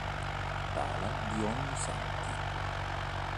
Pala di Ognissanti